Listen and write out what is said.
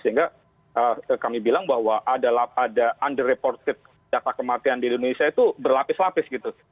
sehingga kami bilang bahwa ada underreported data kematian di indonesia itu berlapis lapis gitu